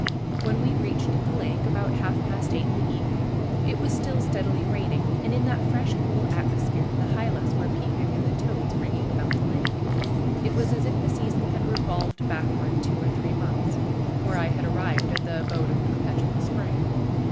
When we reached the lake, about half past eight in the evening, it was still steadily raining, and in that fresh, cool atmosphere the hylas were peeping and the toads ringing about the lake. It was as if the season had revolved backward two or three months, or I had arrived at the abode of perpetual spring.